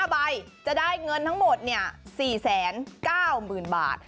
๕ใบจะได้เงินทั้งหมด๔๙๐๐๐บาท